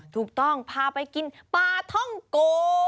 ถูกต้องพาไปกินปลาท่องโก